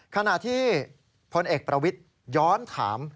ขณะที่พลเอกประวิทย้อนถาม